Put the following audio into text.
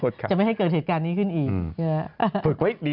จะไม่ให้เกิดเหตุการณ์นี้ขึ้นอีกใช่ไหม